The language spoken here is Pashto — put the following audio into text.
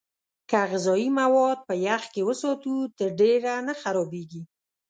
که غذايي مواد په يخ کې وساتو، تر ډېره نه خرابېږي.